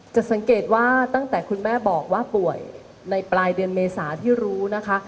จะสังเกตว่าตั้งแต่คุณแม่บอกว่าป่วยในปลายเดือนเมษาที่รู้นะคะ